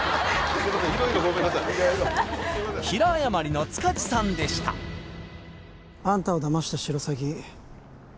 平謝りの塚地さんでしたあんたをダマしたシロサギ